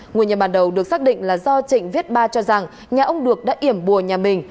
người nhà bàn đầu được xác định là do trịnh viết ba cho rằng nhà ông được đã iểm bùa nhà mình